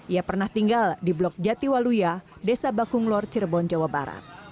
ia pernah tinggal di blok jatiwaluya desa bakunglor cirebon jawa barat